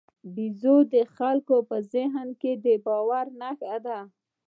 پيژو د خلکو په ذهن کې د باور نښه ده.